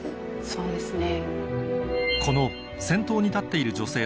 そうですね。